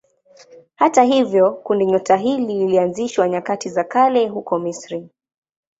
Hata hivyo kundinyota hili lilianzishwa nyakati za kale huko Misri.